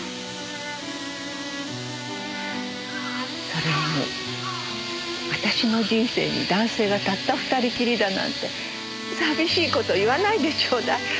それに私の人生に男性がたった２人きりだなんて寂しい事言わないでちょうだい。